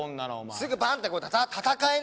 すぐバンって戦えんだよ。